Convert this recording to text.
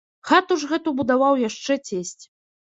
Хату ж гэту будаваў яшчэ цесць.